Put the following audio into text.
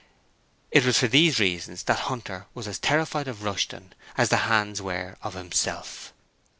It was for these reasons that Hunter was as terrified of Rushton as the hands were of himself.